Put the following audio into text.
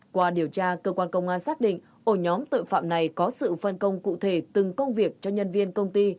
qua điều tra cơ quan công an xác định ổ nhóm tội phạm này có sự phân công cụ thể từng công việc cho nhân viên công ty